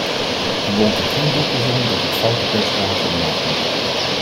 U wond er geen doekjes om dat het foutenpercentage omlaag moet.